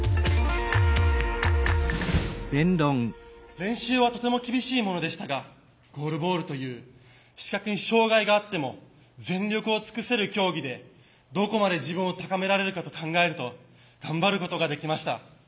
練習はとても厳しいものでしたがゴールボールという視覚に障害があっても全力を尽くせる競技でどこまで自分を高められるかと考えると頑張ることができました。